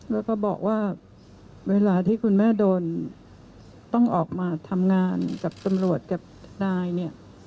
แล้วก็บอกว่าเวลาที่คุณแม่โดนต้องออกมาทำงานกับตำรวจกับนายเนี่ย